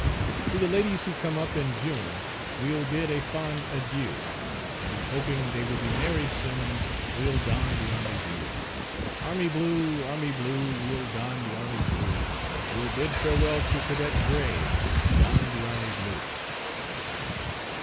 To the ladies who come up in June, We'll bid a fond adieu, And hoping they will be married soon, We'll don the army blue. Army blue, army blue, we'll don the army blue, We'll bid farewell to cadet gray and don the army blue.